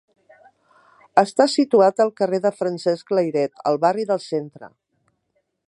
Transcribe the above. Està situat al carrer de Francesc Layret, al barri del Centre.